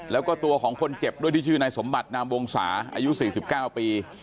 แล้วก็ตัวของคนเจ็บด้วยที่ชื่อนายสมบัตินามวงศาอายุ๔๙ปี